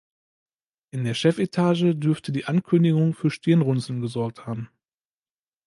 In der Chefetage dürfte die Ankündigung für Stirnrunzeln gesorgt haben.